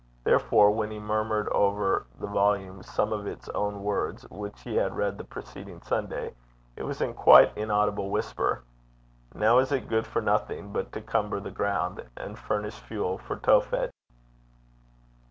Therefore, when he murmured over the volume some of its own words which he had read the preceding Sunday, it was in a quite inaudible whisper: 'Now is it good for nothing but to cumber the ground, and furnish fuel for Tophet.'